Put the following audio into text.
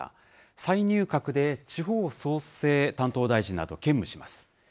再入閣で地方創生担当大臣などを兼務します。